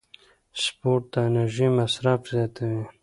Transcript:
سپورت د انرژۍ مصرف زیاتوي.